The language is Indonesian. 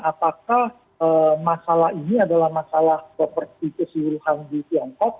apakah masalah ini adalah masalah properti keseluruhan di tiongkok